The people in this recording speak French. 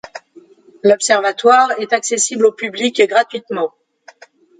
L'Observatoire est accessible au public gratuitement.